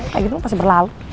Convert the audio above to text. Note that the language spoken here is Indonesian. kayak gitu pasti berlalu